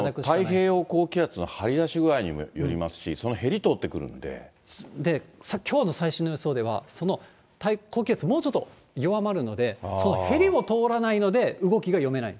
太平洋高気圧の張り出し具合にもよりますし、そのへり通ってで、きょうの最新の予想では、その高気圧、もうちょっと弱まるので、そのへりも通らないので、動きが読めない。